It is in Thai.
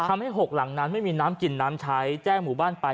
ทำให้๖หลังนั้นไม่มีน้ำกินน้ำใช้แจ้งหมู่บ้านไป